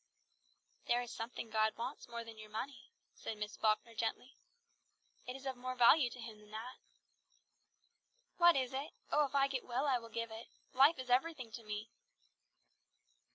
"There is something God wants more than your money," said Miss Falkner gently. "It is of more value to Him than that." "What is it? Oh, if I get well I will give it. Life is everything to me."